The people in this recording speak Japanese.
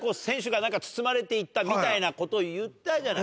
みたいなこと言ったじゃない。